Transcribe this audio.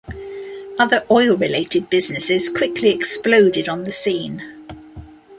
Other oil-related businesses quickly exploded on the scene.